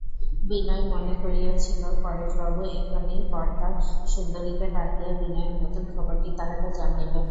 বিনয় মনে করিয়াছিল, পরেশবাবু এখনই বরদাসুন্দরীকে ডাকিয়া বিনয়ের নূতন খবরটি তাঁহাকে জানাইবেন।